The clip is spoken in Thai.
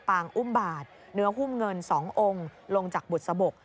อุ้มบาทเนื้อหุ้มเงิน๒องค์ลงจากบุษบก